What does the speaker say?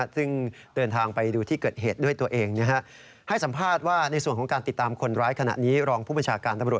ซึ่งเดินทางไปดูที่เกิดเหตุด้วยตัวเองให้สัมภาษณ์ว่าในส่วนของการติดตามคนร้ายขณะนี้รองผู้บัญชาการตำรวจ